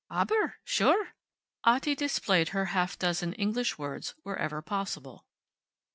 "Aber sure," Otti displayed her half dozen English words whenever possible.